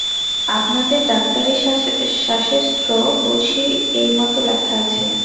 আপনাদের ডাক্তারিশাসেত্র বুঝি এইমতো লেখা আছে।